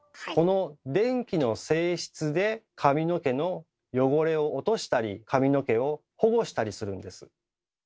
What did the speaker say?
この電気の性質で髪の毛の汚れを落としたり髪の毛を保護したりするんです。